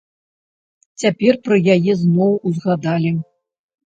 Цяпер пра яе зноў узгадалі.